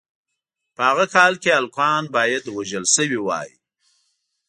په هغه کال کې هلکان باید وژل شوي وای.